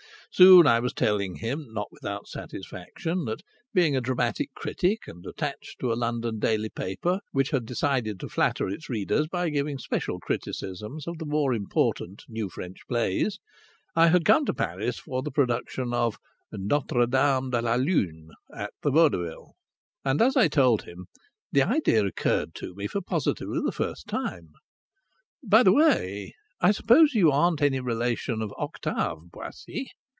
Soon I was telling him, not without satisfaction, that, being a dramatic critic, and attached to a London daily paper which had decided to flatter its readers by giving special criticisms of the more important new French plays, I had come to Paris for the production of Notre Dame de la Lune at the Vaudeville. And as I told him the idea occurred to me for positively the first time: "By the way, I suppose you aren't any relation of Octave Boissy?"